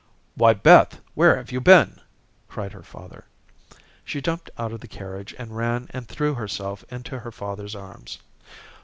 "Why Beth, where have you been?" cried her father. She jumped out of the carriage and ran and threw herself into her father's arms.